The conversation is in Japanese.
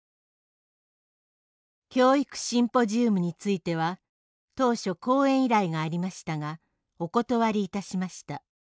「教育シンポジウムについては当初、講演依頼がありましたがお断りいたしました。